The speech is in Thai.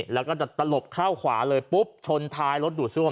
แล้วก็จะตลบเข้าขวาเลยปุ๊บชนท้ายรถดูดซั่ว